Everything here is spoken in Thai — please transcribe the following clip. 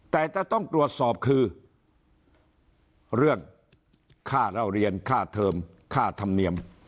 แต่จะต้องตรวจสอบคือเรื่องค่าเล่าเรียนค่าเทิมค่าธรรมเนียม